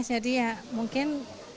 jadi ya mungkin